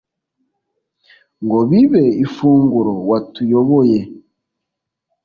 ngo bibe ifunguro, watuyoboye